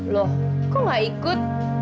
loh kok gak ikut